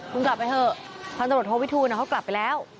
คุณกลับไปเถอะพันตรวจโทวิทูลเขากลับไปแล้ว